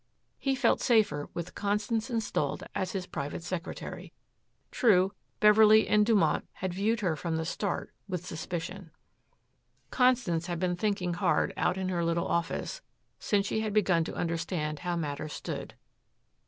He felt safer with Constance installed as his private secretary. True, Beverley and Dumont had viewed her from the start with suspicion. Constance had been thinking hard out in her little office since she had begun to understand how matters stood.